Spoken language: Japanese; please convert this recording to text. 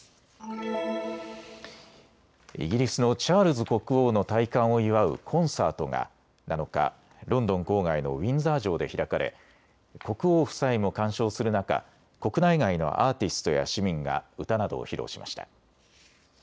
イギリスのチャールズ国王の戴冠を祝うコンサートが７日、ロンドン郊外のウィンザー城で開かれ国王夫妻も鑑賞する中、国内外のアーティストや市民が歌などを披露しました。